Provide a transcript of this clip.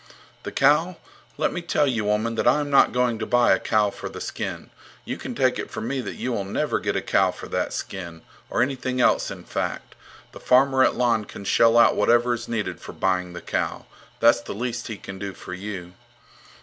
The cow? Let me tell you, woman, that I am not going to buy a cow for the skin. You can take it from me that you will never get a cow for that skin. Or anything else, in fact. The farmer at Lon can shell out whatever is needed for buying the cow. That's the least he can do for you.